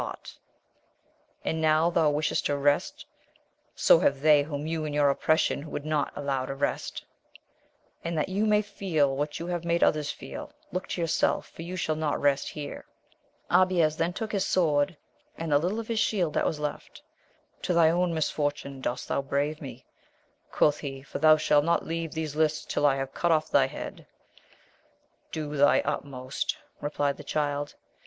58 AMADIS OF GAUL, ought. And now tliou wishest to rest !— so have they whom you in your oppression would not allow to rest ; and that you may feel what you have made others feel, look to yourself, for you shall not rest here. Abies then took his sword and the little of his shield that was left ; To thy own misfortune dost thou brave me, quoth he, for thou shalt not leave these lists till I have cut off thy head. Do thy utmost ! replied the Child.